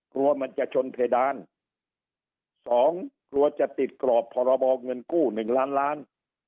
กลัวมันจะชนเพดานสองกลัวจะติดกรอบพรบเงินกู้หนึ่งล้านล้าน